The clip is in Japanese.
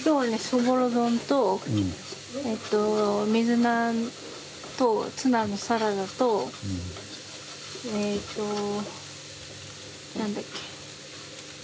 そぼろ丼とえっと水菜とツナのサラダとえと何だっけカブのみそ汁。